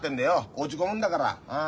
落ち込むんだから。